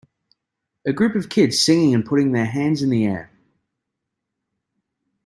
A group of kids singing and putting their hands in the air